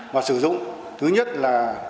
và sử dụng thứ nhất là